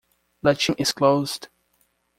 Lachine is closed.